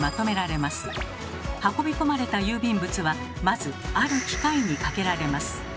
運び込まれた郵便物はまず「ある機械」にかけられます。